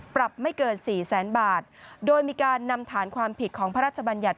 ปรับไม่เกินสี่แสนบาทโดยมีการนำฐานความผิดของพระราชบัญญัติ